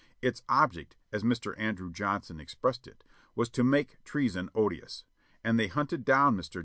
Its ob ject, as Mr. Andrew Johnson expressed it, "was to make treason odious," and they hunted down Air.